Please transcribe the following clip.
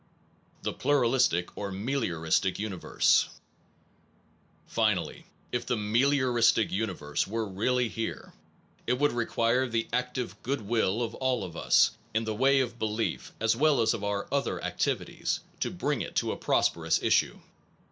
1 THE PLURALISTIC OR MELIORISTIC UNIVERSE Finally, if the melioristic universe were really here, it would require the active good will of all of us, in the way of belief as well as of our other ac tivities, to bring it to a prosperous issue.